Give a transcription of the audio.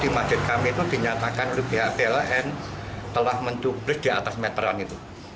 di masjid kami itu dinyatakan oleh pihak pln telah mencuplik di atas meteran itu